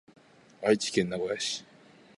愛知県名古屋市